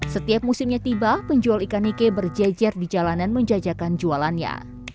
setiap musimnya tiba penjual ikan nike berjejer di jalanan menjajakan jualannya